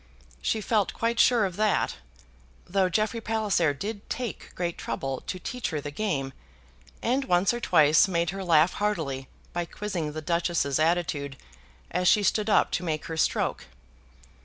She felt quite sure of that; though Jeffrey Palliser did take great trouble to teach her the game, and once or twice made her laugh heartily by quizzing the Duchess's attitude as she stood up to make her stroke.